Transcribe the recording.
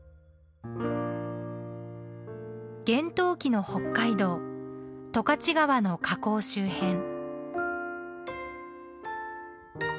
厳冬期の北海道十勝川の河口周辺。